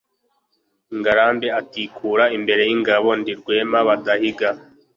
Ngarambe itikura imbere yingabo ndi Rwema badahiga